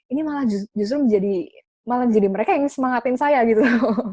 ini malah justru malah jadi mereka yang semangatin saya gitu